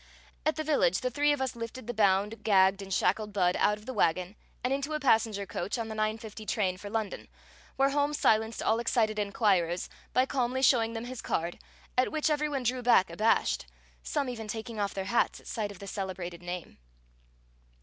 At the village, the three of us lifted the bound, gagged and shackled Budd out of the wagon and into a passenger coach on the 9:50 train for London, where Holmes silenced all excited inquirers by calmly showing them his card, at which every one drew back abashed, some even taking off their hats at sight of the celebrated name.